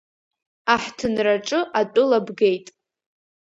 Аҳҭынраҿы атәыла бгеит.